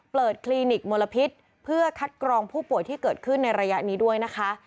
คลินิกมลพิษเพื่อคัดกรองผู้ป่วยที่เกิดขึ้นในระยะนี้ด้วยนะคะ